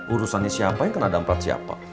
urusannya siapa yang kena damprat siapa